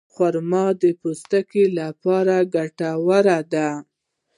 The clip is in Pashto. خرما د پوستکي لپاره ګټوره ده.